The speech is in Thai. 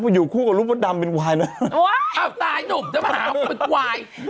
มาอยู่คู่กับรูปมดดำเป็นกวายนั่นอ้าวตายนุ่มจะมาหาผมเป็นกวาย